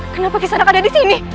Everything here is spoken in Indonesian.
kenapa kisanak ada disini